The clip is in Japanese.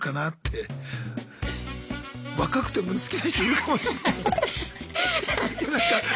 若くても好きな人いるかもしんないのに。